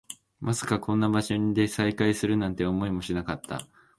まさかこんな場所で再会するなんて、思いもしなかった